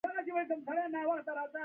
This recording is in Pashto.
دا د خیر خبره یې څو ځل تکرار کړه.